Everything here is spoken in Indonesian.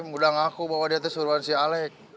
mudah ngaku bahwa dia tuh suruhan si alec